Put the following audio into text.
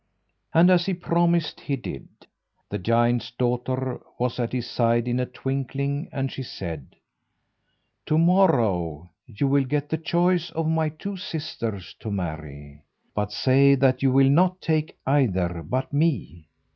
And as he promised he did. The giant's daughter was at his side in a twinkling, and she said, "To morrow you will get the choice of my two sisters to marry; but say that you will not take either, but me.